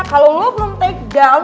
kalau lo belum take down